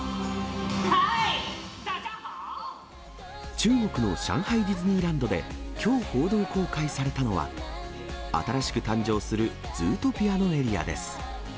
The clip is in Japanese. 中国の上海ディズニーランドで、きょう報道公開されたのは、新しく誕生するズートピアのエリアです。